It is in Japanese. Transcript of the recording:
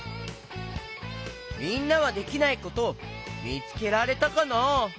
みんなはできないことみつけられたかな？